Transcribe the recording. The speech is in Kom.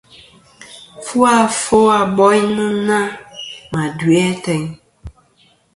Fu afo a boynɨnɨ-a ma duʼi ateyn.